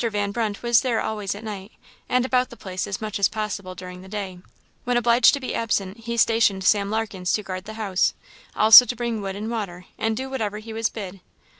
Van Brunt was there always at night, and about the place as much as possible during the day; when obliged to be absent, he stationed Sam Larkens to guard the house, also to bring wood and water, and do whatever he was bid.